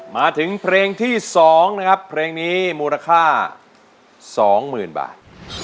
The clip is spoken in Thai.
มาถึงเพลงที่สองนะครับเพลงนี้มูลค่าสองหมื่นบาท